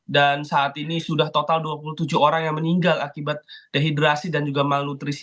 dan saat ini sudah total dua puluh tujuh orang yang meninggal akibat dehidrasi dan juga malnutrisi